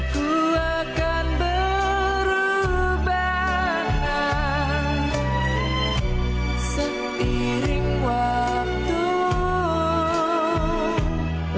aku akan berubah